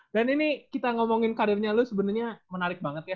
dan ini kita ngomongin karirnya lu sebenarnya menarik banget ya